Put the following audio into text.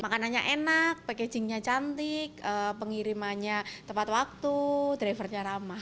makanannya enak packagingnya cantik pengirimannya tepat waktu drivernya ramah